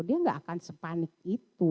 dia nggak akan sepanik itu